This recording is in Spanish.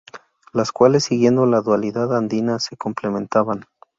Los cuales, siguiendo la dualidad andina, se complementaban.